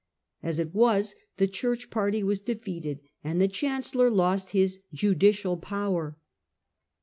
As it was, the Church party was defeated, and the Chancellor lost his judicial power.